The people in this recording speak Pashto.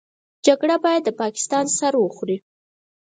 جګړه بايد د پاکستان سر وخوري.